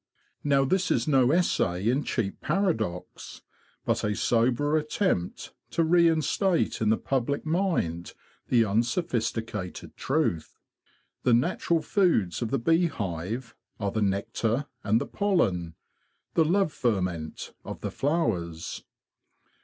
Now this is no essay in cheap paradox, but a sober attempt to reinstate in the public mind the unsophisticated truth. The natural foods of the bee hive are the nectar and the pollen, the '' love ferment "' of the flowers.